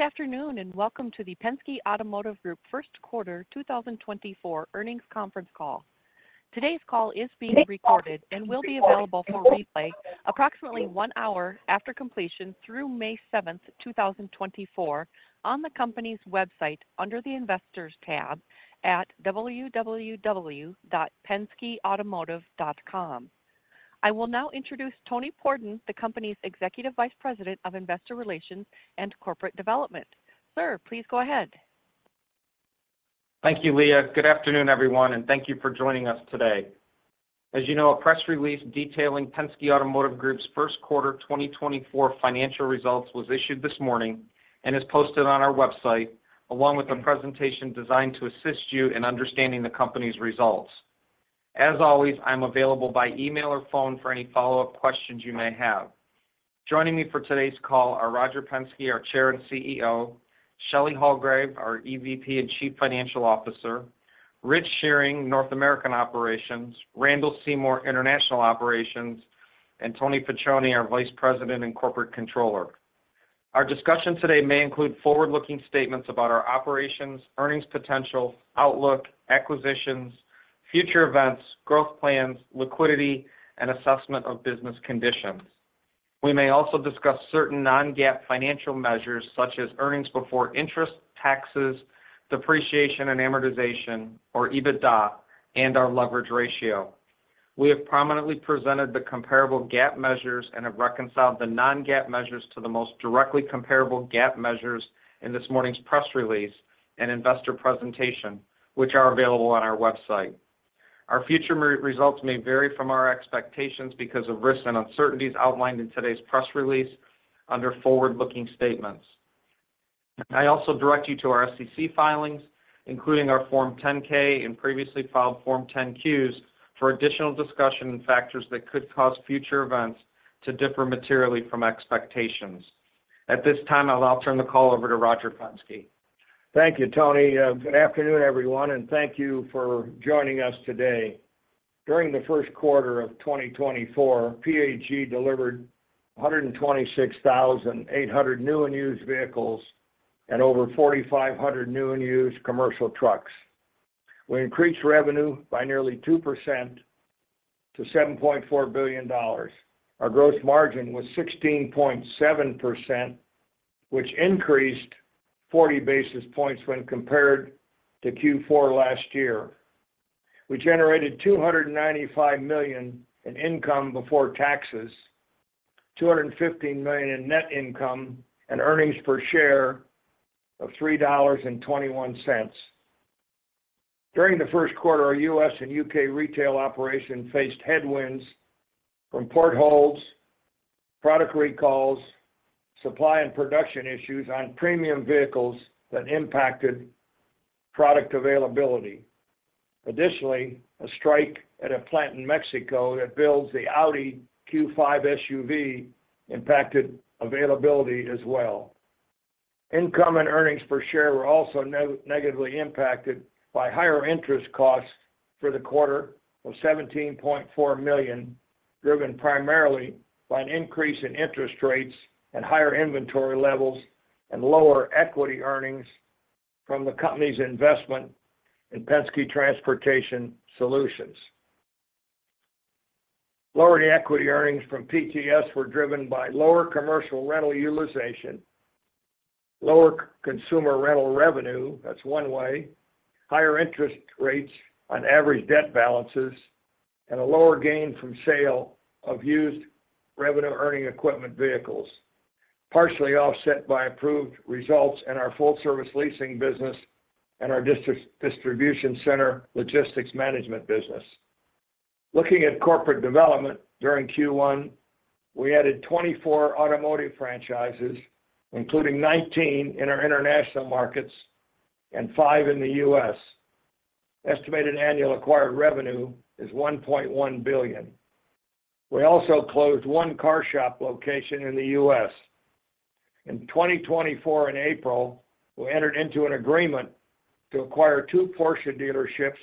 Good afternoon and welcome to the Penske Automotive Group First Quarter 2024 Earnings Conference Call. Today's call is being recorded and will be available for replay approximately one hour after completion through May 7, 2024, on the company's website under the Investors tab at www.penskeautomotive.com. I will now introduce Tony Pordon, the company's Executive Vice President of Investor Relations and Corporate Development. Sir, please go ahead. Thank you, Leah. Good afternoon, everyone, and thank you for joining us today. As you know, a press release detailing Penske Automotive Group's First Quarter 2024 financial results was issued this morning and is posted on our website, along with a presentation designed to assist you in understanding the company's results. As always, I'm available by email or phone for any follow-up questions you may have. Joining me for today's call are Roger Penske, our Chair and CEO; Shelley Hulgrave, our EVP and Chief Financial Officer; Rich Shearing, North American Operations; Randall Seymore, International Operations; and Tony Facione, our Vice President and Corporate Controller. Our discussion today may include forward-looking statements about our operations, earnings potential, outlook, acquisitions, future events, growth plans, liquidity, and assessment of business conditions. We may also discuss certain non-GAAP financial measures such as earnings before interest, taxes, depreciation and amortization, or EBITDA, and our leverage ratio. We have prominently presented the comparable GAAP measures and have reconciled the non-GAAP measures to the most directly comparable GAAP measures in this morning's press release and investor presentation, which are available on our website. Our future results may vary from our expectations because of risks and uncertainties outlined in today's press release under forward-looking statements. I also direct you to our SEC filings, including our Form 10-K and previously filed Form 10-Qs, for additional discussion and factors that could cause future events to differ materially from expectations. At this time, I'll turn the call over to Roger Penske. Thank you, Tony. Good afternoon, everyone, and thank you for joining us today. During the first quarter of 2024, PAG delivered 126,800 new and used vehicles and over 4,500 new and used commercial trucks. We increased revenue by nearly 2% to $7.4 billion. Our gross margin was 16.7%, which increased 40 basis points when compared to Q4 last year. We generated $295 million in income before taxes, $215 million in net income, and earnings per share of $3.21. During the first quarter, our U.S. and U.K. retail operation faced headwinds from port holds, product recalls, supply and production issues on premium vehicles that impacted product availability. Additionally, a strike at a plant in Mexico that builds the Audi Q5 SUV impacted availability as well. Income and earnings per share were also negatively impacted by higher interest costs for the quarter of $17.4 million, driven primarily by an increase in interest rates and higher inventory levels and lower equity earnings from the company's investment in Penske Transportation Solutions. Lowering equity earnings from PTS were driven by lower commercial rental utilization, lower consumer rental revenue, that's one way, higher interest rates on average debt balances, and a lower gain from sale of used revenue-earning equipment vehicles, partially offset by improved results in our full-service leasing business and our distribution center logistics management business. Looking at corporate development during Q1, we added 24 automotive franchises, including 19 in our international markets and five in the U.S.. Estimated annual acquired revenue is $1.1 billion. We also closed one CarShop location in the U.S.. In 2024, in April, we entered into an agreement to acquire two Porsche dealerships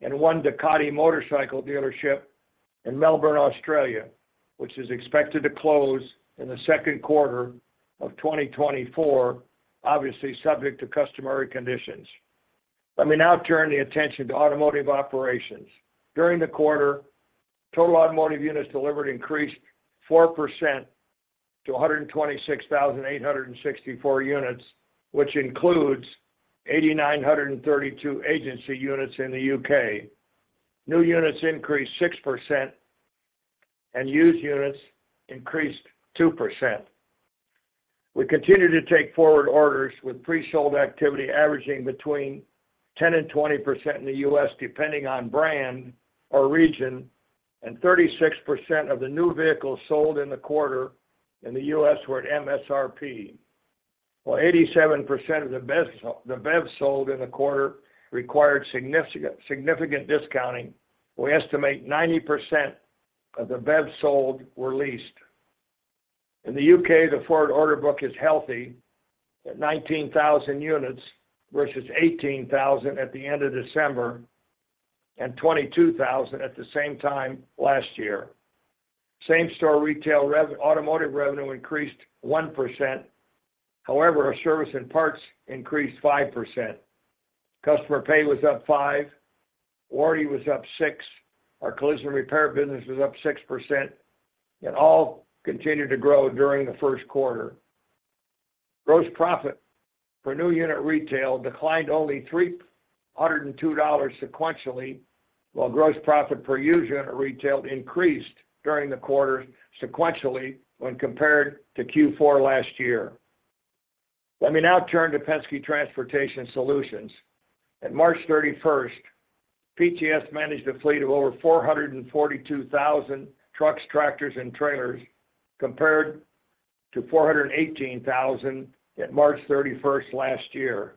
and one Ducati motorcycle dealership in Melbourne, Australia, which is expected to close in the second quarter of 2024, obviously subject to customary conditions. Let me now turn the attention to automotive operations. During the quarter, total automotive units delivered increased 4% to 126,864 units, which includes 8,932 agency units in the U.K. New units increased 6%, and used units increased 2%. We continue to take forward orders with pre-sold activity averaging between 10% and 20% in the U.S. depending on brand or region, and 36% of the new vehicles sold in the quarter in the U.S. were at MSRP. While 87% of the BEVs sold in the quarter required significant discounting, we estimate 90% of the BEVs sold were leased. In the U.K., the forward order book is healthy at 19,000 units versus 18,000 at the end of December and 22,000 at the same time last year. Same-store retail automotive revenue increased 1%; however, our service and parts increased 5%. Customer pay was up 5%, warranty was up 6%, our collision repair business was up 6%, and all continued to grow during the first quarter. Gross profit per new unit retail declined only $302 sequentially, while gross profit per used unit retail increased during the quarter sequentially when compared to Q4 last year. Let me now turn to Penske Transportation Solutions. At March 31st, PTS managed a fleet of over 442,000 trucks, tractors, and trailers compared to 418,000 at March 31st last year.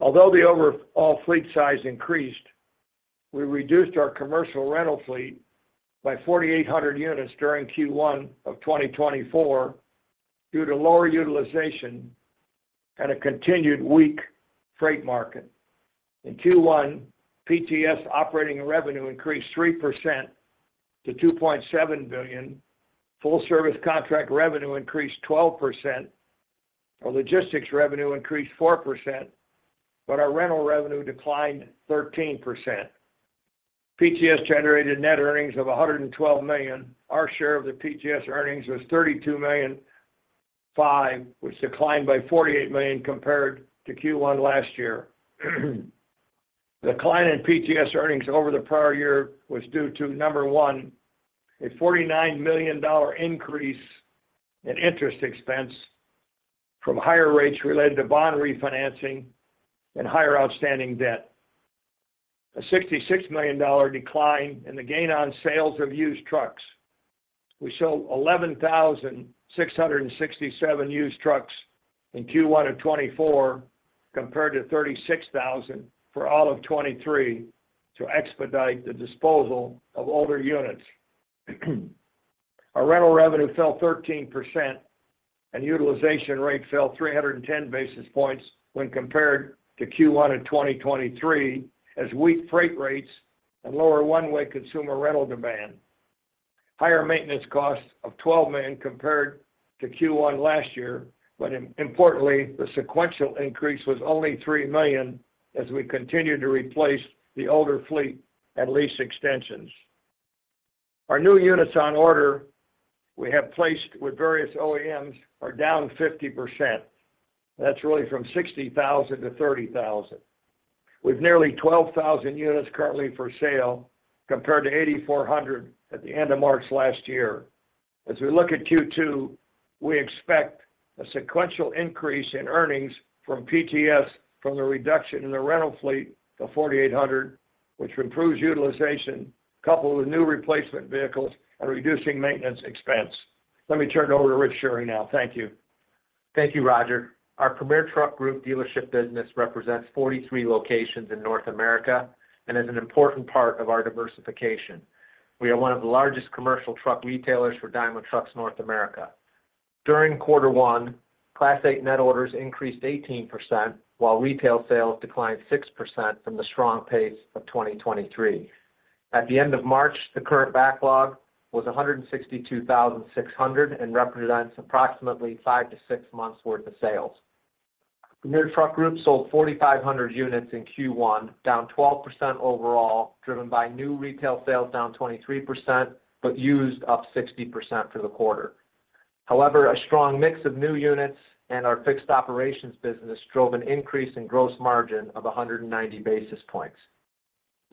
Although the overall fleet size increased, we reduced our commercial rental fleet by 4,800 units during Q1 of 2024 due to lower utilization and a continued weak freight market. In Q1, PTS operating revenue increased 3% to $2.7 billion, full-service contract revenue increased 12%, our logistics revenue increased 4%, but our rental revenue declined 13%. PTS generated net earnings of $112 million. Our share of the PTS earnings was $32.05, which declined by $48 million compared to Q1 last year. The decline in PTS earnings over the prior year was due to, number one, a $49 million increase in interest expense from higher rates related to bond refinancing and higher outstanding debt, a $66 million decline, and the gain on sales of used trucks. We sold 11,667 used trucks in Q1 of 2024 compared to 36,000 for all of 2023 to expedite the disposal of older units. Our rental revenue fell 13%, and utilization rate fell 310 basis points when compared to Q1 of 2023 as weak freight rates and lower one-way consumer rental demand, higher maintenance costs of $12 million compared to Q1 last year, but importantly, the sequential increase was only $3 million as we continued to replace the older fleet and lease extensions. Our new units on order we have placed with various OEMs are down 50%. That's really from 60,000 to 30,000. We have nearly 12,000 units currently for sale compared to 8,400 at the end of March last year. As we look at Q2, we expect a sequential increase in earnings from PTS from the reduction in the rental fleet to 4,800, which improves utilization coupled with new replacement vehicles and reducing maintenance expense. Let me turn it over to Rich Shearing now. Thank you. Thank you, Roger. Our Premier Truck Group dealership business represents 43 locations in North America and is an important part of our diversification. We are one of the largest commercial truck retailers for Daimler Truck North America. During Quarter 1, Class 8 net orders increased 18%, while retail sales declined 6% from the strong pace of 2023. At the end of March, the current backlog was 162,600 and represents approximately five to six months' worth of sales. Premier Truck Group sold 4,500 units in Q1, down 12% overall, driven by new retail sales down 23% but used up 60% for the quarter. However, a strong mix of new units and our fixed operations business drove an increase in gross margin of 190 basis points.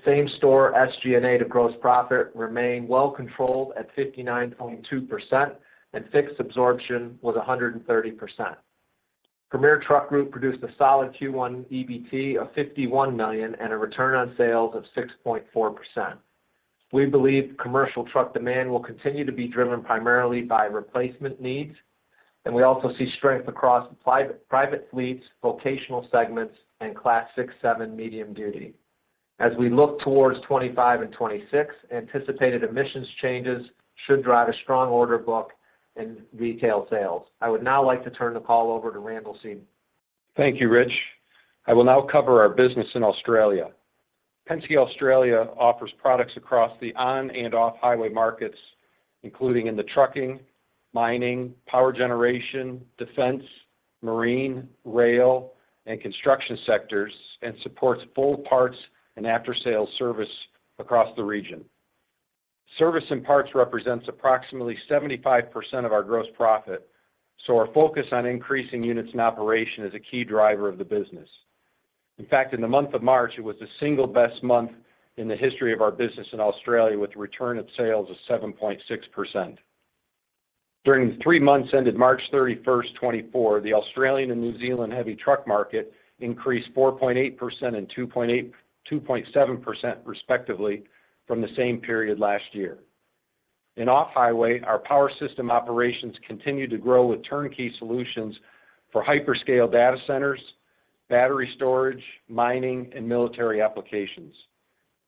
Same-store SG&A to gross profit remained well-controlled at 59.2%, and fixed absorption was 130%. Premier Truck Group produced a solid Q1 EBT of $51 million and a return on sales of 6.4%. We believe commercial truck demand will continue to be driven primarily by replacement needs, and we also see strength across private fleets, vocational segments, and Class 6, 7 medium duty. As we look towards 2025 and 2026, anticipated emissions changes should drive a strong order book in retail sales. I would now like to turn the call over to Randall Seymore. Thank you, Rich. I will now cover our business in Australia. Penske Australia offers products across the on- and off-highway markets, including in the trucking, mining, power generation, defense, marine, rail, and construction sectors, and supports full parts and after-sales service across the region. Service and parts represents approximately 75% of our gross profit, so our focus on increasing units in operation is a key driver of the business. In fact, in the month of March, it was the single best month in the history of our business in Australia with a return on sales of 7.6%. During the three months ended March 31st, 2024, the Australian and New Zealand heavy truck market increased 4.8% and 2.7% respectively from the same period last year. In off-highway, our power system operations continue to grow with turnkey solutions for hyperscale data centers, battery storage, mining, and military applications.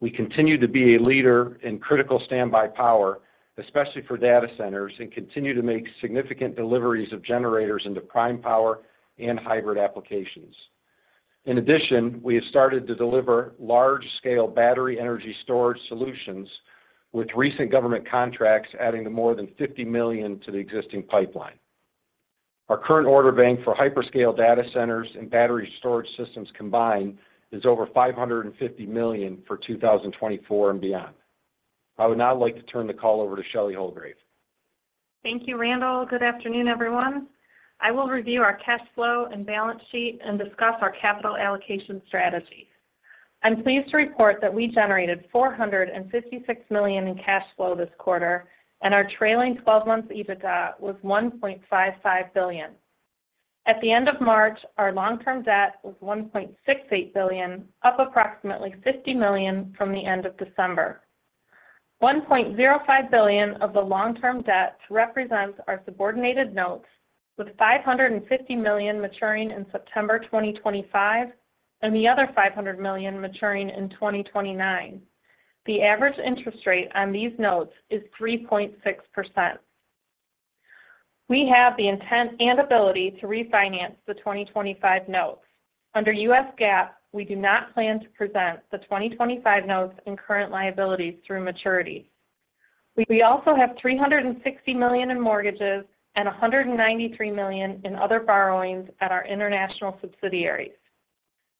We continue to be a leader in critical standby power, especially for data centers, and continue to make significant deliveries of generators into prime power and hybrid applications. In addition, we have started to deliver large-scale battery energy storage solutions with recent government contracts adding to more than $50 million to the existing pipeline. Our current order bank for hyperscale data centers and battery storage systems combined is over $550 million for 2024 and beyond. I would now like to turn the call over to Shelley Hulgrave. Thank you, Randall. Good afternoon, everyone. I will review our cash flow and balance sheet and discuss our capital allocation strategy. I'm pleased to report that we generated $456 million in cash flow this quarter, and our trailing 12-month EBITDA was $1.55 billion. At the end of March, our long-term debt was $1.68 billion, up approximately $50 million from the end of December. $1.05 billion of the long-term debt represents our subordinated notes, with $550 million maturing in September 2025 and the other $500 million maturing in 2029. The average interest rate on these notes is 3.6%. We have the intent and ability to refinance the 2025 notes. Under U.S. GAAP, we do not plan to present the 2025 notes and current liabilities through maturity. We also have $360 million in mortgages and $193 million in other borrowings at our international subsidiaries.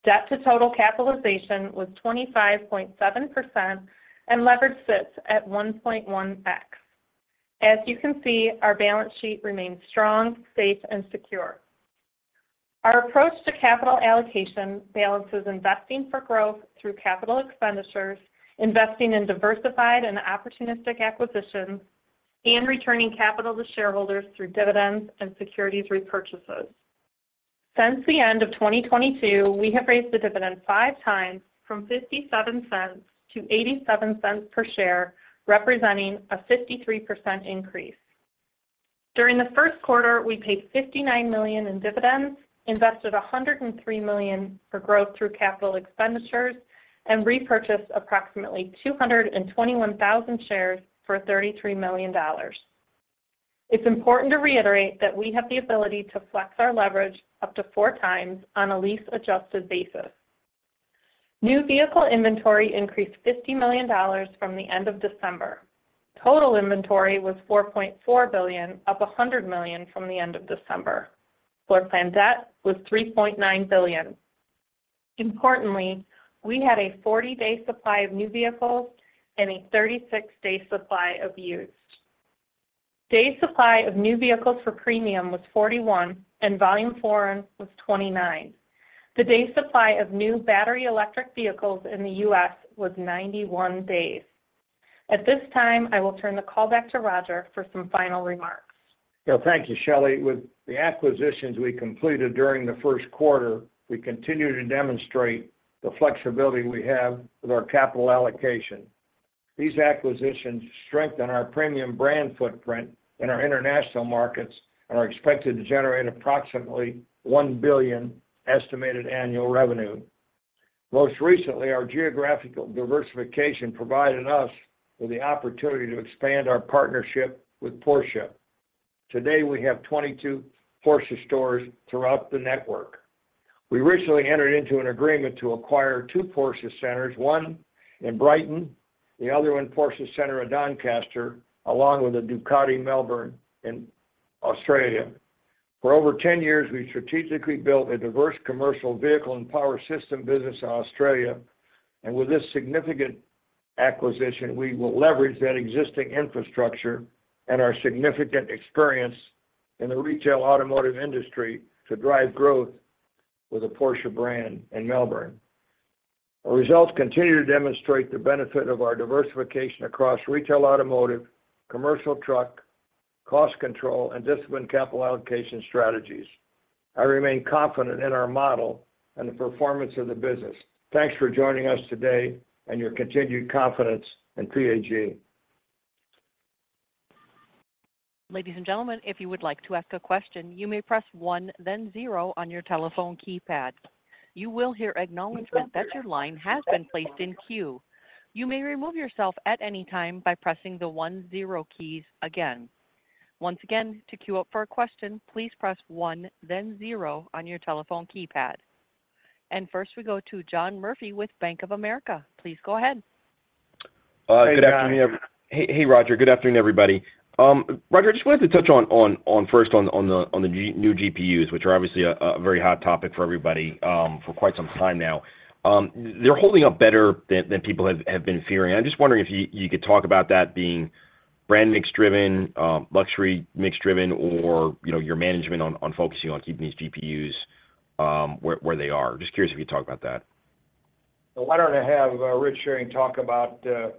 Debt to total capitalization was 25.7% and leverage sits at 1.1x. As you can see, our balance sheet remains strong, safe, and secure. Our approach to capital allocation balances investing for growth through capital expenditures, investing in diversified and opportunistic acquisitions, and returning capital to shareholders through dividends and securities repurchases. Since the end of 2022, we have raised the dividend 5 times from $0.57 to $0.87 per share, representing a 53% increase. During the first quarter, we paid $59 million in dividends, invested $103 million for growth through capital expenditures, and repurchased approximately 221,000 shares for $33 million. It's important to reiterate that we have the ability to flex our leverage up to 4x on a lease-adjusted basis. New vehicle inventory increased $50 million from the end of December. Total inventory was $4.4 billion, up $100 million from the end of December. Floor plan debt was $3.9 billion. Importantly, we had a 40-day supply of new vehicles and a 36-day supply of used. Day supply of new vehicles for premium was 41, and volume foreign was 29. The day supply of new battery electric vehicles in the U.S. was 91 days. At this time, I will turn the call back to Roger for some final remarks. Well, thank you, Shelley. With the acquisitions we completed during the first quarter, we continue to demonstrate the flexibility we have with our capital allocation. These acquisitions strengthen our premium brand footprint in our international markets and are expected to generate approximately $1 billion estimated annual revenue. Most recently, our geographical diversification provided us with the opportunity to expand our partnership with Porsche. Today, we have 22 Porsche stores throughout the network. We recently entered into an agreement to acquire two Porsche centers, one in Brighton, the other in Porsche Center at Doncaster, along with a Ducati Melbourne in Australia. For over 10 years, we've strategically built a diverse commercial vehicle and power system business in Australia, and with this significant acquisition, we will leverage that existing infrastructure and our significant experience in the retail automotive industry to drive growth with the Porsche brand in Melbourne. Our results continue to demonstrate the benefit of our diversification across retail automotive, commercial truck, cost control, and disciplined capital allocation strategies. I remain confident in our model and the performance of the business. Thanks for joining us today and your continued confidence in PAG. Ladies and gentlemen, if you would like to ask a question, you may press 1, then 0 on your telephone keypad. You will hear acknowledgment that your line has been placed in queue. You may remove yourself at any time by pressing the 1, 0 keys again. Once again, to queue up for a question, please press 1, then 0 on your telephone keypad. First, we go to John Murphy with Bank of America. Please go ahead. Hey, Roger. Good afternoon, everybody. Roger, I just wanted to touch on first on the new GPUs, which are obviously a very hot topic for everybody for quite some time now. They're holding up better than people have been fearing. I'm just wondering if you could talk about that being brand mix driven, luxury mix driven, or your management on focusing on keeping these GPUs where they are. Just curious if you could talk about that. Why don't I have Rich Shearing talk about the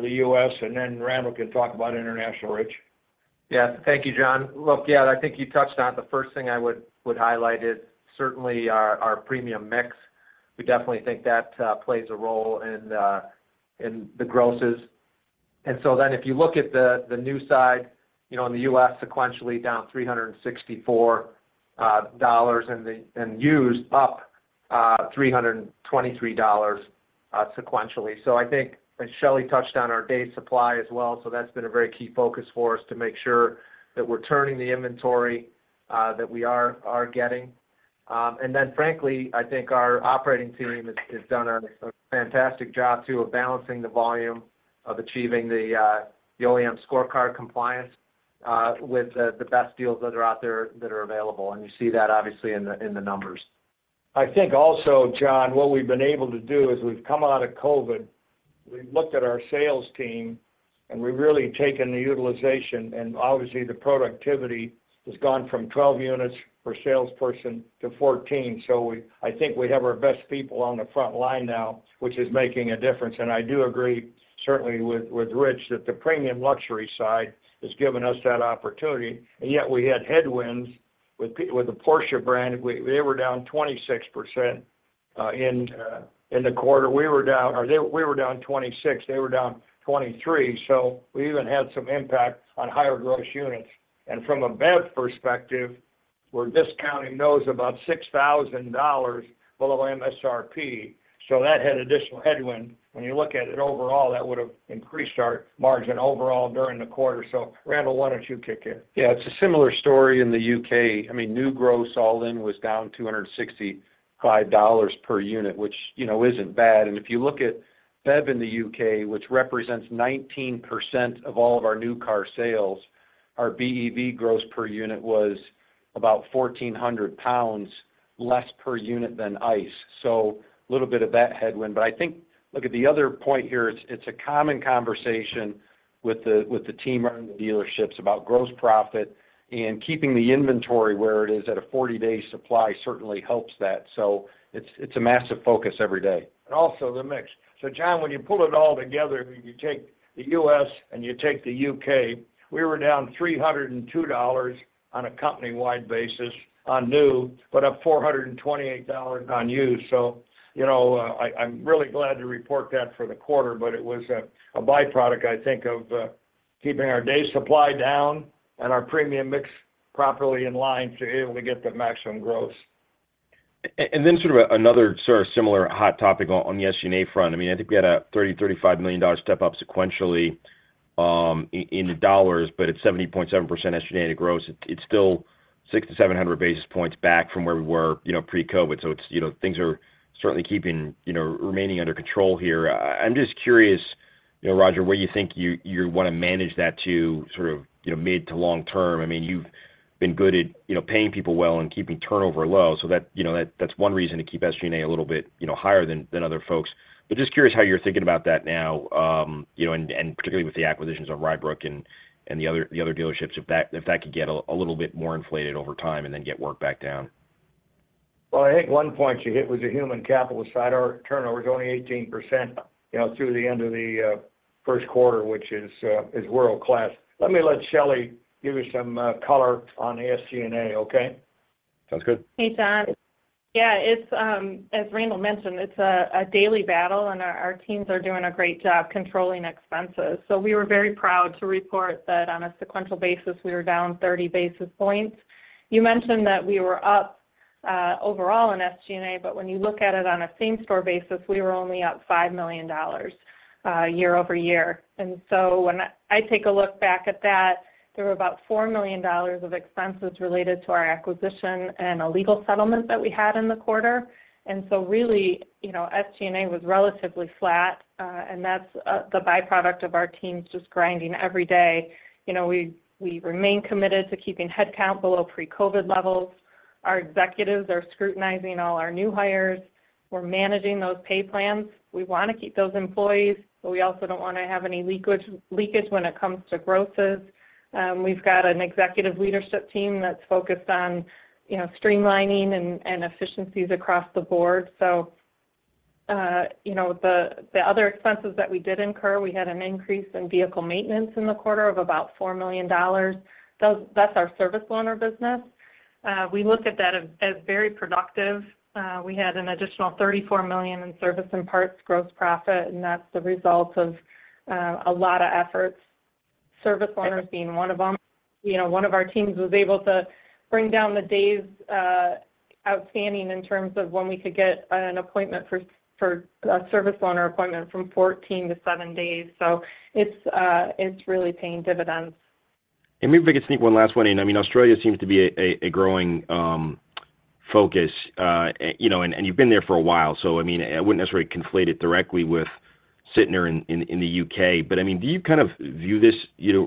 U.S., and then Randall can talk about international, Rich? Yeah. Thank you, John. Look, yeah, I think you touched on it. The first thing I would highlight is certainly our premium mix. We definitely think that plays a role in the grosses. And so then if you look at the new side in the U.S., sequentially down $364 and used up $323 sequentially. So I think as Shelley touched on our day supply as well, so that's been a very key focus for us to make sure that we're turning the inventory that we are getting. And then, frankly, I think our operating team has done a fantastic job too of balancing the volume of achieving the OEM scorecard compliance with the best deals that are out there that are available. And you see that, obviously, in the numbers. I think also, John, what we've been able to do is we've come out of COVID. We've looked at our sales team, and we've really taken the utilization, and obviously, the productivity has gone from 12 units per salesperson to 14. So I think we have our best people on the front line now, which is making a difference. And I do agree, certainly, with Rich that the premium luxury side has given us that opportunity. And yet, we had headwinds with the Porsche brand. They were down 26% in the quarter. We were down or they were down 26%. They were down 23%. So we even had some impact on higher gross units. And from a BEV perspective, we're discounting those about $6,000 below MSRP. So that had additional headwind. When you look at it overall, that would have increased our margin overall during the quarter. Randall, why don't you kick in? Yeah. It's a similar story in the U.K.. I mean, new gross all-in was down $265 per unit, which isn't bad. And if you look at BEV in the U.K., which represents 19% of all of our new car sales, our BEV gross per unit was about 1,400 pounds less per unit than ICE. So a little bit of that headwind. But I think look at the other point here. It's a common conversation with the team running the dealerships about gross profit, and keeping the inventory where it is at a 40-day supply certainly helps that. So it's a massive focus every day. And also the mix. So, John, when you pull it all together, you take the U.S. and you take the U.K., we were down $302 on a company-wide basis on new, but up $428 on used. So I'm really glad to report that for the quarter, but it was a byproduct, I think, of keeping our day supply down and our premium mix properly in line to be able to get the maximum gross. And then sort of another sort of similar hot topic on the SG&A front. I mean, I think we had a $30-$35 million step-up sequentially in dollars, but it's 70.7% SG&A to gross. It's still 6-700 basis points back from where we were pre-COVID. So things are certainly remaining under control here. I'm just curious, Roger, where you think you want to manage that to sort of mid- to long-term. I mean, you've been good at paying people well and keeping turnover low. So that's one reason to keep SG&A a little bit higher than other folks. But just curious how you're thinking about that now, and particularly with the acquisitions on Rybrook and the other dealerships, if that could get a little bit more inflated over time and then get work back down. Well, I think one point you hit was your human capital aside. Our turnover is only 18% through the end of the first quarter, which is world-class. Let me let Shelley give you some color on SG&A, okay? Sounds good. Hey, John. Yeah. As Randall mentioned, it's a daily battle, and our teams are doing a great job controlling expenses. So we were very proud to report that on a sequential basis, we were down 30 basis points. You mentioned that we were up overall in SG&A, but when you look at it on a same-store basis, we were only up $5 million year over year. And so when I take a look back at that, there were about $4 million of expenses related to our acquisition and a legal settlement that we had in the quarter. And so really, SG&A was relatively flat, and that's the byproduct of our teams just grinding every day. We remain committed to keeping headcount below pre-COVID levels. Our executives are scrutinizing all our new hires. We're managing those pay plans. We want to keep those employees, but we also don't want to have any leakage when it comes to grosses. We've got an executive leadership team that's focused on streamlining and efficiencies across the board. So the other expenses that we did incur, we had an increase in vehicle maintenance in the quarter of about $4 million. That's our service loaner business. We look at that as very productive. We had an additional $34 million in service and parts gross profit, and that's the result of a lot of efforts, service loaners being one of them. One of our teams was able to bring down the days outstanding in terms of when we could get an appointment for a service loaner appointment from 14 to seven days. So it's really paying dividends. And maybe if I could sneak one last one. And I mean, Australia seems to be a growing focus, and you've been there for a while. So I mean, I wouldn't necessarily conflate it directly with sitting there in the U.K. But I mean, do you kind of view this,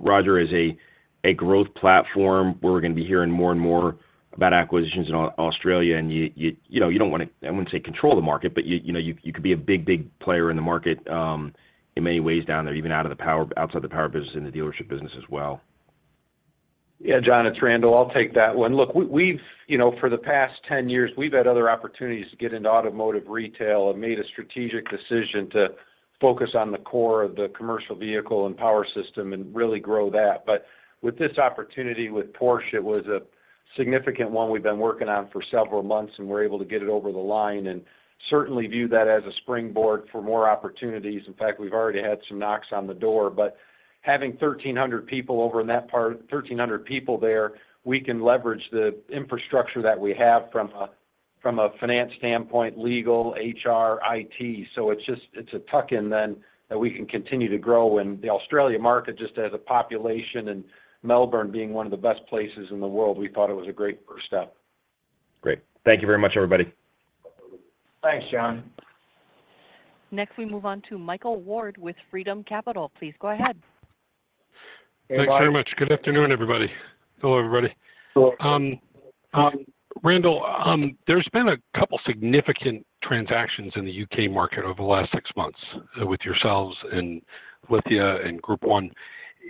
Roger, as a growth platform where we're going to be hearing more and more about acquisitions in Australia? And you don't want to. I wouldn't say control the market, but you could be a big, big player in the market in many ways down there, even outside the power business and the dealership business as well. Yeah, John. It's Randall. I'll take that one. Look, for the past 10 years, we've had other opportunities to get into automotive retail and made a strategic decision to focus on the core of the commercial vehicle and power system and really grow that. But with this opportunity with Porsche, it was a significant one we've been working on for several months, and we're able to get it over the line and certainly view that as a springboard for more opportunities. In fact, we've already had some knocks on the door. But having 1,300 people over in that part, 1,300 people there, we can leverage the infrastructure that we have from a finance standpoint, legal, HR, IT. So it's a tuck-in then that we can continue to grow. The Australia market, just as a population and Melbourne being one of the best places in the world, we thought it was a great first step. Great. Thank you very much, everybody. Thanks, John. Next, we move on to Michael Ward with Freedom Capital Markets. Please go ahead. Hey, Mike. Thanks very much. Good afternoon, everybody. Hello, everybody. Hello. Randall, there's been a couple of significant transactions in the UK market over the last six months with yourselves and Lithia and Group 1.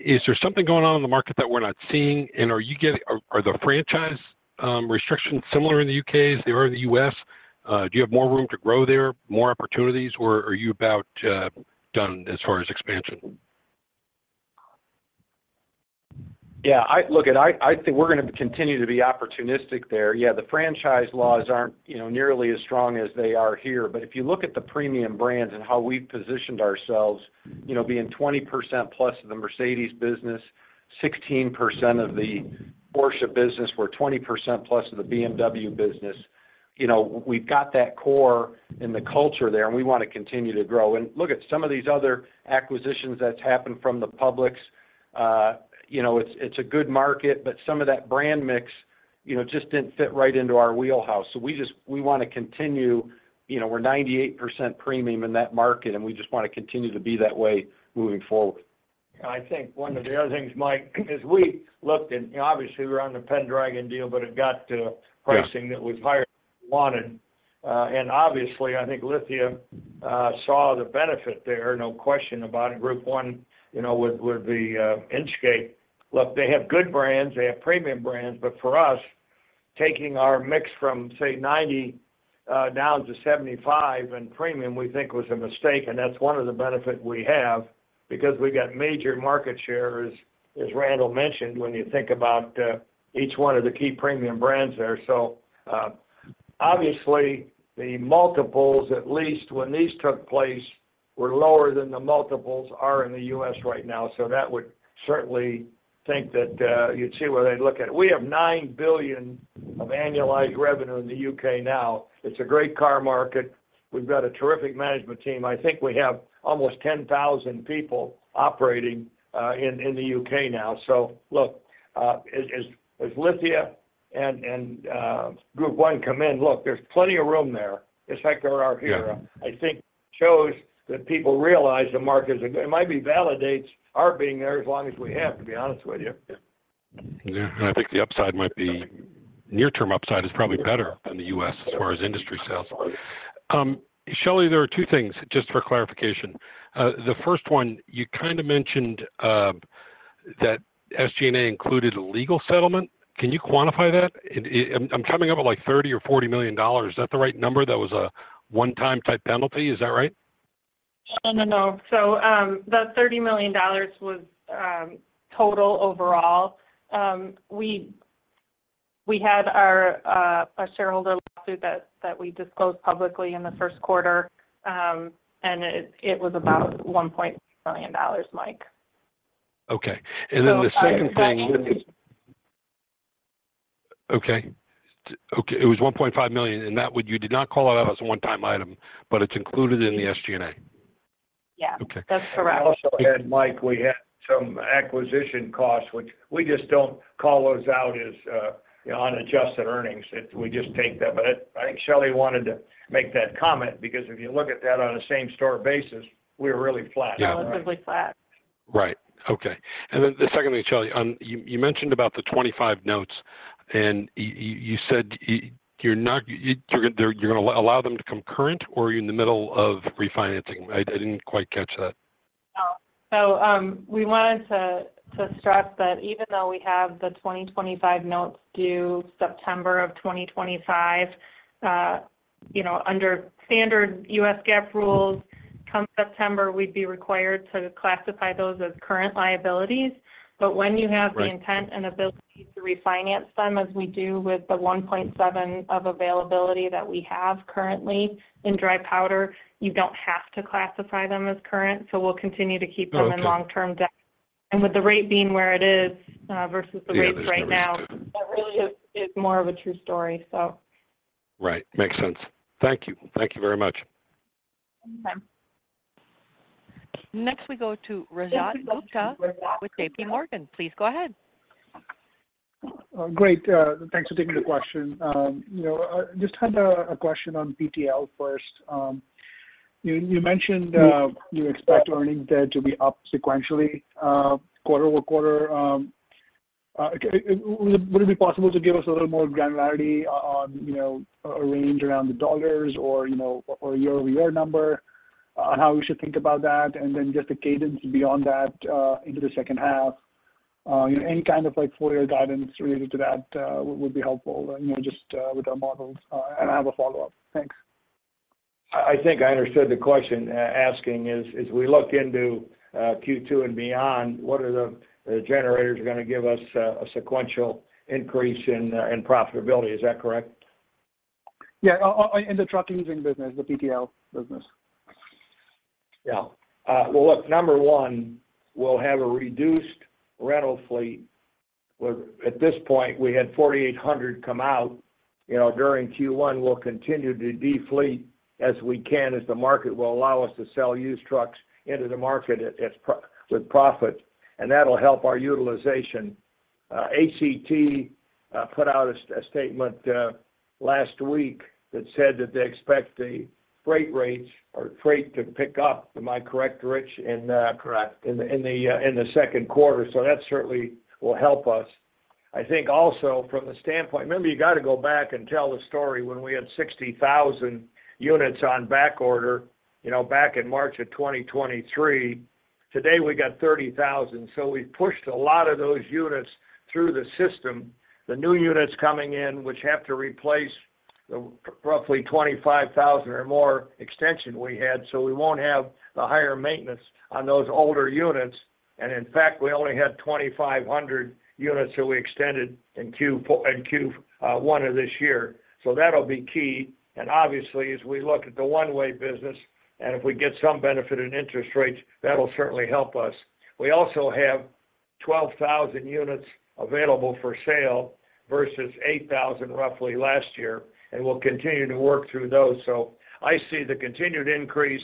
Is there something going on in the market that we're not seeing, and are the franchise restrictions similar in the U.K. as they are in the U.S.? Do you have more room to grow there, more opportunities, or are you about done as far as expansion? Yeah. Look, I think we're going to continue to be opportunistic there. Yeah, the franchise laws aren't nearly as strong as they are here. But if you look at the premium brands and how we've positioned ourselves, being 20% plus of the Mercedes business, 16% of the Porsche business, we're 20% plus of the BMW business. We've got that core in the culture there, and we want to continue to grow. And look at some of these other acquisitions that's happened from the publics. It's a good market, but some of that brand mix just didn't fit right into our wheelhouse. So we want to continue. We're 98% premium in that market, and we just want to continue to be that way moving forward. I think one of the other things, Mike, is we looked at obviously, we're on the Pendragon deal, but it got to pricing that was higher than we wanted. And obviously, I think Lithia saw the benefit there, no question about it. Group 1 with the Inchcape. Look, they have good brands. They have premium brands. But for us, taking our mix from, say, 90% down to 75% in premium, we think was a mistake. And that's one of the benefits we have because we got major market share, as Randall mentioned, when you think about each one of the key premium brands there. So obviously, the multiples, at least when these took place, were lower than the multiples are in the U.S. right now. So that would certainly think that you'd see where they'd look at it. We have $9 billion of annualized revenue in the U.K. now. It's a great car market. We've got a terrific management team. I think we have almost 10,000 people operating in the U.K. now. So look, as Lithia and Group 1 come in, look, there's plenty of room there. It's like they're our hero. I think shows that people realize the market is a good it might be validates our being there as long as we have, to be honest with you. Yeah. And I think the upside might be, near-term upside is probably better than the U.S. as far as industry sales. Shelley, there are two things just for clarification. The first one, you kind of mentioned that SG&A included a legal settlement. Can you quantify that? I'm coming up with like $30 million or $40 million. Is that the right number? That was a one-time type penalty. Is that right? No, no, no. So the $30 million was total overall. We had a shareholder lawsuit that we disclosed publicly in the first quarter, and it was about $1.5 million, Mike. Okay. And then the second thing. That's $1.5 million. Okay. It was $1.5 million, and that you did not call that out as a one-time item, but it's included in the SG&A. Yeah. That's correct. I also add, Mike, we had some acquisition costs, which we just don't call those out as unadjusted earnings. We just take that. But I think Shelley wanted to make that comment because if you look at that on a same-store basis, we were really flat. Relatively flat. Right. Okay. And then the second thing, Shelley, you mentioned about the 2025 notes, and you said you're going to allow them to come current, or are you in the middle of refinancing? I didn't quite catch that. No. So we wanted to stress that even though we have the 2025 notes due September of 2025, under standard U.S. GAAP rules, come September, we'd be required to classify those as current liabilities. But when you have the intent and ability to refinance them, as we do with the $1.7 billion of availability that we have currently in dry powder, you don't have to classify them as current. So we'll continue to keep them in long-term debt. And with the rate being where it is versus the rates right now, that really is more of a true story, so. Right. Makes sense. Thank you. Thank you very much. Same. Next, we go to Rajat Gupta with J.P. Morgan. Please go ahead. Great. Thanks for taking the question. I just had a question on PTL first. You mentioned you expect earnings there to be up sequentially quarter-over-quarter. Would it be possible to give us a little more granularity on a range around the dollars or a year-over-year number on how we should think about that, and then just the cadence beyond that into the second half? Any kind of four-year guidance related to that would be helpful just with our models. And I have a follow-up. Thanks. I think I understood the question asking is, as we look into Q2 and beyond, what are the generators going to give us a sequential increase in profitability? Is that correct? Yeah. In the trucking business, the PTL business. Yeah. Well, look, number one, we'll have a reduced rental fleet. At this point, we had 4,800 come out during Q1. We'll continue to de-fleet as we can as the market will allow us to sell used trucks into the market with profit. And that'll help our utilization. ACT put out a statement last week that said that they expect the freight rates or freight to pick up, am I correct, Rich, Correct. in the second quarter. So that certainly will help us. I think also from the standpoint remember, you got to go back and tell the story when we had 60,000 units on backorder back in March of 2023. Today, we got 30,000. So we've pushed a lot of those units through the system. The new units coming in, which have to replace the roughly 25,000 or more extension we had, so we won't have the higher maintenance on those older units. And in fact, we only had 2,500 units that we extended in Q1 of this year. So that'll be key. And obviously, as we look at the one-way business, and if we get some benefit in interest rates, that'll certainly help us. We also have 12,000 units available for sale versus 8,000 roughly last year. And we'll continue to work through those. So I see the continued increase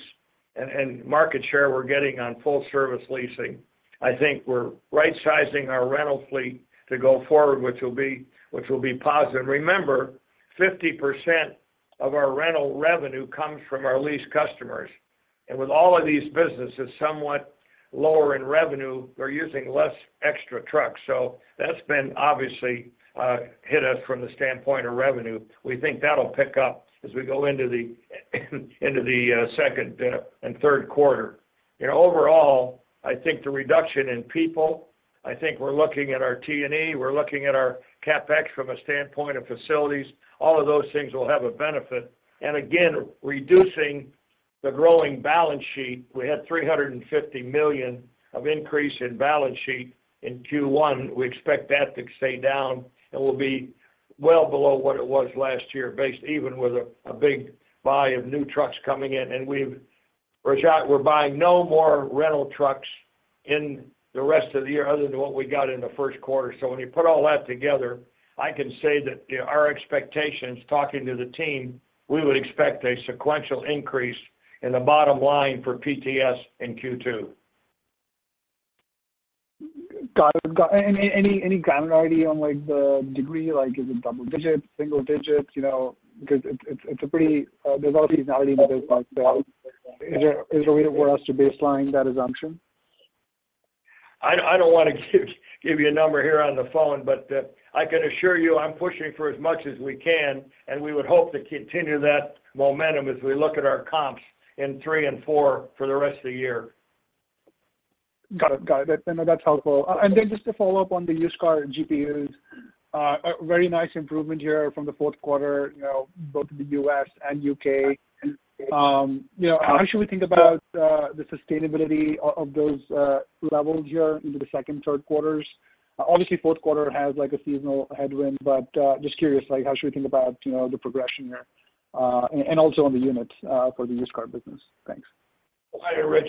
in market share we're getting on full-service leasing. I think we're right-sizing our rental fleet to go forward, which will be positive. And remember, 50% of our rental revenue comes from our leased customers. And with all of these businesses somewhat lower in revenue, they're using less extra trucks. So that's been obviously hit us from the standpoint of revenue. We think that'll pick up as we go into the second and third quarter. Overall, I think the reduction in people, I think we're looking at our T&E. We're looking at our CapEx from a standpoint of facilities. All of those things will have a benefit. And again, reducing the growing balance sheet. We had $350 million of increase in balance sheet in Q1. We expect that to stay down and will be well below what it was last year even with a big buy of new trucks coming in. And Rajat, we're buying no more rental trucks in the rest of the year other than what we got in the first quarter. So when you put all that together, I can say that our expectations, talking to the team, we would expect a sequential increase in the bottom line for PTS in Q2. Got it. And any granularity on the degree? Is it double-digit, single-digit? Because it's pretty, there's always seasonality in the business. So is there a way for us to baseline that assumption? I don't want to give you a number here on the phone, but I can assure you I'm pushing for as much as we can, and we would hope to continue that momentum as we look at our comps in three and four for the rest of the year. Got it. Got it. And that's helpful. And then just to follow up on the used car GPUs, very nice improvement here from the fourth quarter, both in the U.S. and U.K. How should we think about the sustainability of those levels here into the second, third quarters? Obviously, fourth quarter has a seasonal headwind, but just curious, how should we think about the progression here and also on the units for the used car business? Thanks. Hi, Rich.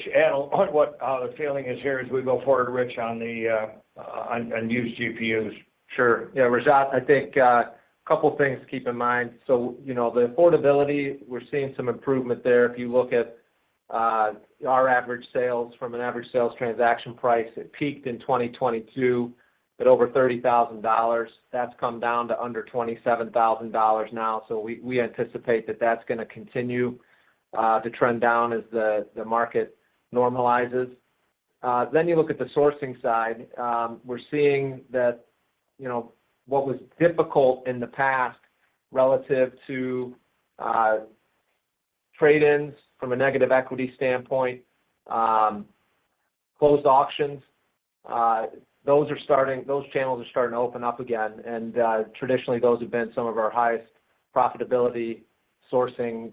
What the feeling is here as we go forward, Rich, on used GPUs? Sure. Yeah, Rajat, I think a couple of things to keep in mind. So the affordability, we're seeing some improvement there. If you look at our average sales from an average sales transaction price, it peaked in 2022 at over $30,000. That's come down to under $27,000 now. So we anticipate that that's going to continue to trend down as the market normalizes. Then you look at the sourcing side, we're seeing that what was difficult in the past relative to trade-ins from a negative equity standpoint, closed auctions, those channels are starting to open up again. And traditionally, those have been some of our highest profitability sourcing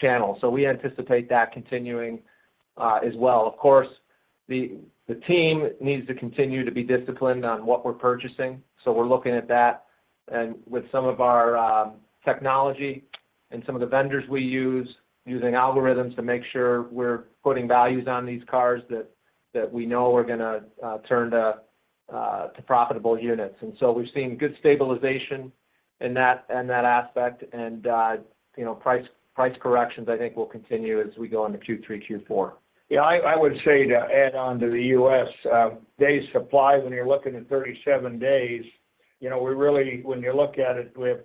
channels. So we anticipate that continuing as well. Of course, the team needs to continue to be disciplined on what we're purchasing. So we're looking at that. With some of our technology and some of the vendors we use, using algorithms to make sure we're putting values on these cars that we know are going to turn to profitable units. So we've seen good stabilization in that aspect. Price corrections, I think, will continue as we go into Q3, Q4. Yeah. I would say to add on to the U.S., day supply, when you're looking at 37 days, we really when you look at it, we have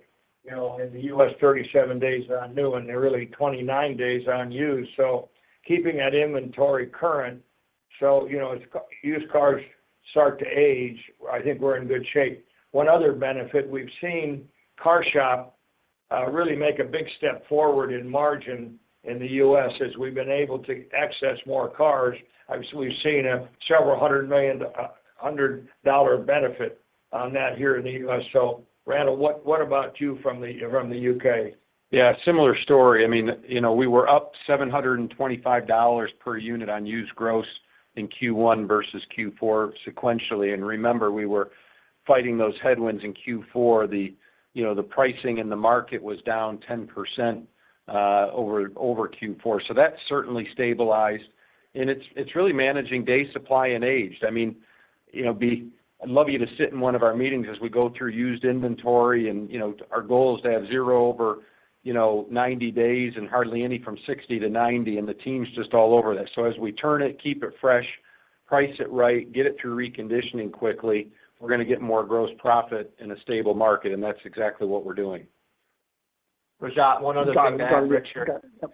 in the U.S., 37 days on new, and they're really 29 days on used. So keeping that inventory current. So as used cars start to age, I think we're in good shape. One other benefit, we've seen CarShop really make a big step forward in margin in the U.S. as we've been able to access more cars. Obviously, we've seen a several hundred million, a hundred dollar benefit on that here in the U.S. So Randall, what about you from the U.K.? Yeah. Similar story. I mean, we were up $725 per unit on used gross in Q1 versus Q4 sequentially. And remember, we were fighting those headwinds in Q4. The pricing in the market was down 10% over Q4. So that certainly stabilized. And it's really managing day supply and age. I mean, I'd love you to sit in one of our meetings as we go through used inventory. And our goal is to have zero over, you know, 90 days and hardly any from 60-90. And the team's just all over this. So as we turn it, keep it fresh, price it right, get it through reconditioning quickly, we're going to get more gross profit in a stable market. And that's exactly what we're doing. Rajat, one other thing to add, Go on, Richard. Sorry. Go ahead.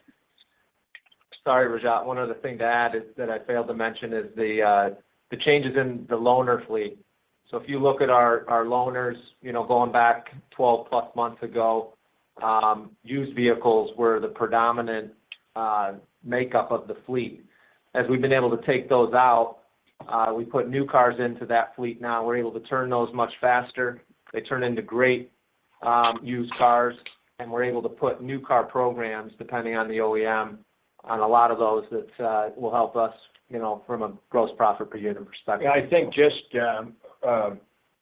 Sorry, Rajat. One other thing to add that I failed to mention is the changes in the loaner fleet. So if you look at our loaners going back 12+ months ago, used vehicles were the predominant makeup of the fleet. As we've been able to take those out, we put new cars into that fleet now. We're able to turn those much faster. They turn into great used cars. And we're able to put new car programs, depending on the OEM, on a lot of those that will help us from a gross profit per unit perspective. Yeah. I think just,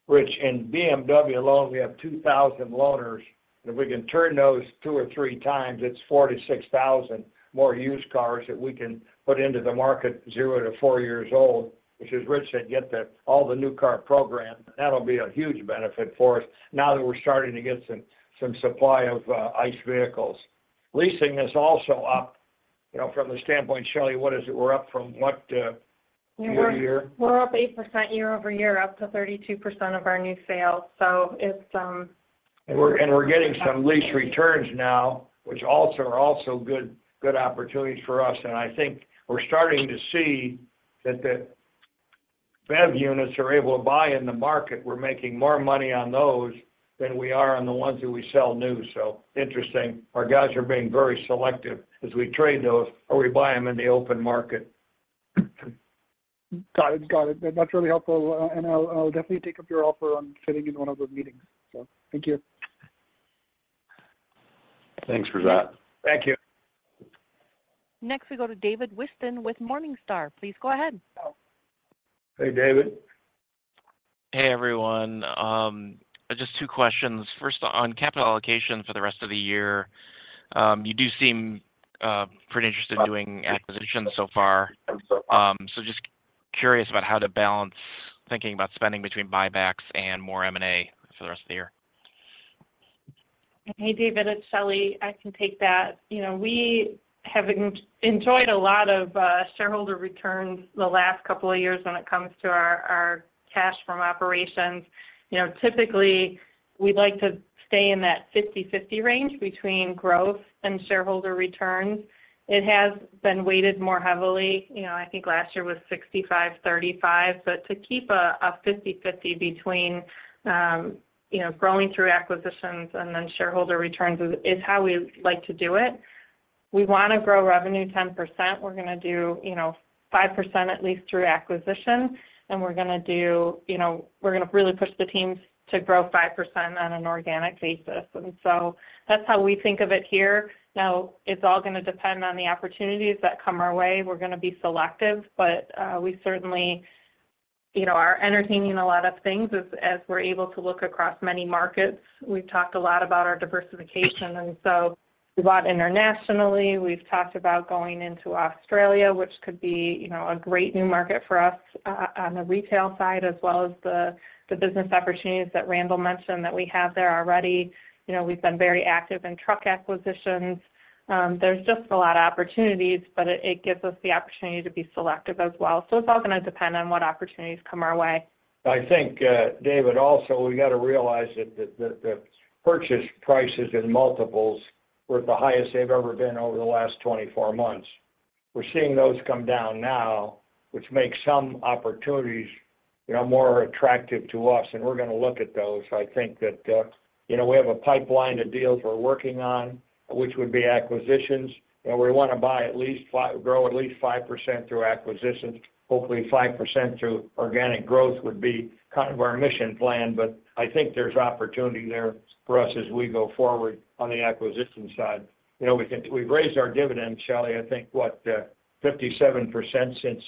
Rich, in BMW alone, we have 2,000 loaners. And if we can turn those 2x or 3x, it's 4,000-6,000 more used cars that we can put into the market 0-4 years old, which as Rich said, get all the new car program. That'll be a huge benefit for us now that we're starting to get some supply of ICE vehicles. Leasing is also up. From the standpoint, Shelley, what is it? We're up from what year to year? We're up 8% year-over-year, up to 32% of our new sales. So it's some. And we're getting some lease returns now, which are also good opportunities for us. And I think we're starting to see that the BEV units are available to buy in the market. We're making more money on those than we are on the ones that we sell new. So interesting. Our guys are being very selective as we trade those, or we buy them in the open market. Got it. Got it. That's really helpful. And I'll definitely take up your offer on sitting in one of those meetings. So thank you. Thanks, Rajat. Thank you. Next, we go to David Whiston with Morningstar. Please go ahead. Hey, David. Hey, everyone. Just two questions. First, on capital allocation for the rest of the year, you do seem pretty interested in doing acquisitions so far. So just curious about how to balance thinking about spending between buybacks and more M&A for the rest of the year. Hey, David. It's Shelley. I can take that. We haven't enjoyed a lot of shareholder returns the last couple of years when it comes to our cash from operations. Typically, we'd like to stay in that 50/50 range between growth and shareholder returns. It has been weighted more heavily. I think last year was 65/35. But to keep a 50/50 between growing through acquisitions and then shareholder returns is how we like to do it. We want to grow revenue 10%. We're going to do 5% at least through acquisition. And we're going to really push the teams to grow 5% on an organic basis. And so that's how we think of it here. Now, it's all going to depend on the opportunities that come our way. We're going to be selective. But we certainly are entertaining a lot of things as we're able to look across many markets. We've talked a lot about our diversification. So we bought internationally. We've talked about going into Australia, which could be a great new market for us on the retail side as well as the business opportunities that Randall mentioned that we have there already. We've been very active in truck acquisitions. There's just a lot of opportunities, but it gives us the opportunity to be selective as well. So it's all going to depend on what opportunities come our way. I think, David, also, we got to realize that the purchase prices and multiples were at the highest they've ever been over the last 24 months. We're seeing those come down now, which makes some opportunities more attractive to us. And we're going to look at those. I think that we have a pipeline of deals we're working on, which would be acquisitions. We want to grow at least 5% through acquisitions. Hopefully, 5% through organic growth would be kind of our mission plan. But I think there's opportunity there for us as we go forward on the acquisition side. We've raised our dividend, Shelley, I think, what, 57% since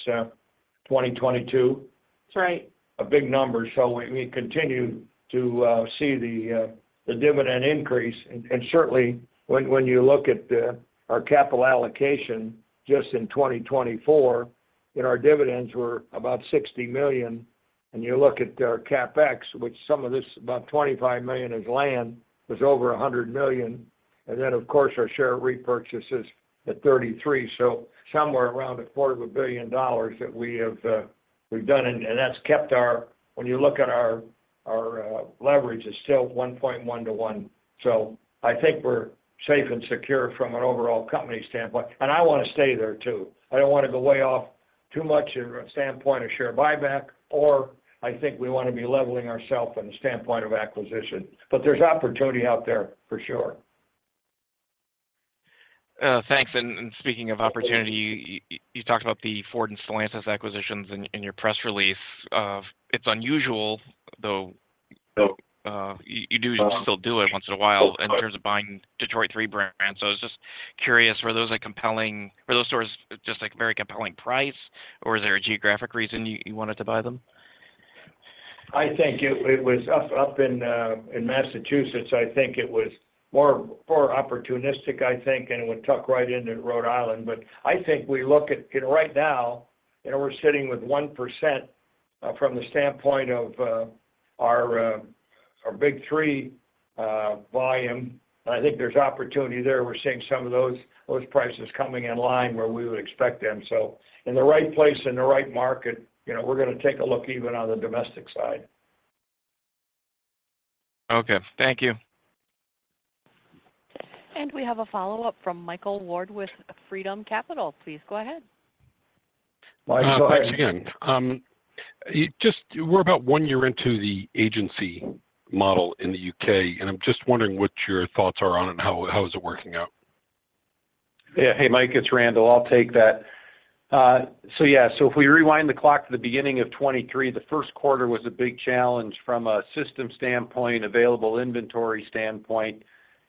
2022? That's right. A big number. So we continue to see the dividend increase. And certainly, when you look at our capital allocation just in 2024, our dividends were about $60 million. And you look at our CapEx, which some of this, about $25 million is land, was over $100 million. And then, of course, our share repurchases at $33 million. So somewhere around $250 million that we've done. And that's kept our when you look at our leverage, it's still 1.1 :1. So I think we're safe and secure from an overall company standpoint. And I want to stay there too. I don't want to go way off too much in the standpoint of share buyback, or I think we want to be leveling ourselves from the standpoint of acquisition. But there's opportunity out there for sure. Thanks. And speaking of opportunity, you talked about the Ford and Stellantis acquisitions in your press release. It's unusual, though you do still do it once in a while in terms of buying Detroit 3 brands. So I was just curious, were those stores just at very compelling price, or is there a geographic reason you wanted to buy them? I think it was up in Massachusetts. I think it was more opportunistic, I think, and it would tuck right into Rhode Island. But I think we look at right now, we're sitting with 1% from the standpoint of our big three volume. And I think there's opportunity there. We're seeing some of those prices coming in line where we would expect them. So in the right place in the right market, we're going to take a look even on the domestic side. Okay. Thank you. We have a follow-up from Michael Ward with Freedom Capital. Please go ahead. Mike, go ahead. Thanks again. We're about one year into the agency model in the UK, and I'm just wondering what your thoughts are on it and how is it working out? Yeah. Hey, Mike. It's Randall. I'll take that. So yeah. So if we rewind the clock to the beginning of 2023, the first quarter was a big challenge from a system standpoint, available inventory standpoint.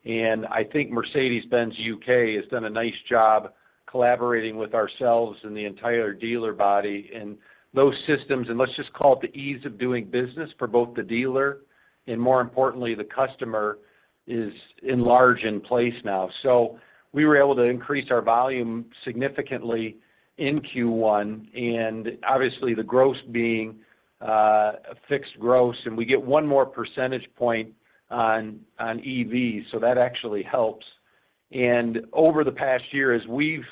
And I think Mercedes-Benz UK has done a nice job collaborating with ourselves and the entire dealer body. And those systems, and let's just call it the ease of doing business for both the dealer and more importantly, the customer, is in place now. So we were able to increase our volume significantly in Q1, and obviously, the gross being fixed gross. And we get one more percentage point on EVs, so that actually helps. And over the past year, as we've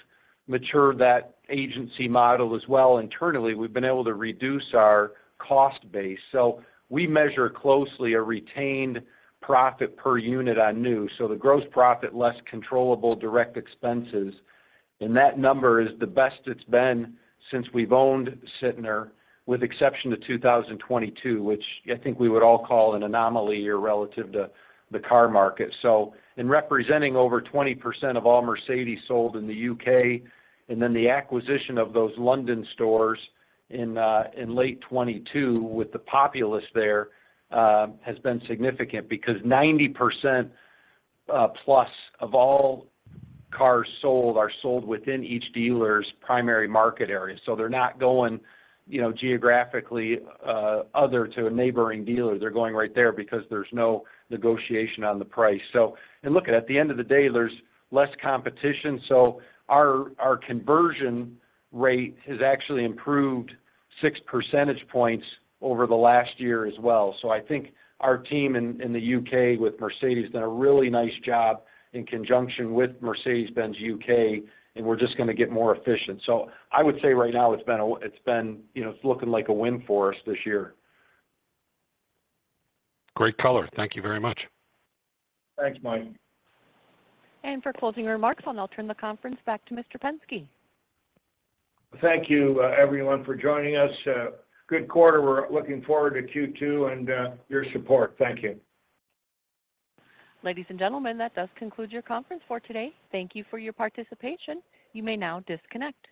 matured that agency model as well internally, we've been able to reduce our cost base. So we measure closely a retained profit per unit on new. So the gross profit, less controllable, direct expenses. And that number is the best it's been since we've owned Sytner, with exception to 2022, which I think we would all call an anomaly here relative to the car market. So in representing over 20% of all Mercedes sold in the UK and then the acquisition of those London stores in late 2022 with the population there has been significant because 90%+ of all cars sold are sold within each dealer's primary market area. So they're not going geographically other to a neighboring dealer. They're going right there because there's no negotiation on the price. And look at it, at the end of the day, there's less competition. So our conversion rate has actually improved 6 percentage points over the last year as well. So I think our team in the U.K. with Mercedes has done a really nice job in conjunction with Mercedes-Benz U.K., and we're just going to get more efficient. So I would say right now, it's been looking like a win for us this year. Great color. Thank you very much. Thanks, Mike. For closing remarks, I'll turn the conference back to Mr. Penske. Thank you, everyone, for joining us. Good quarter. We're looking forward to Q2 and your support. Thank you. Ladies and gentlemen, that does conclude your conference for today. Thank you for your participation. You may now disconnect.